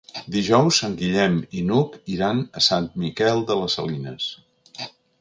Dijous en Guillem i n'Hug iran a Sant Miquel de les Salines.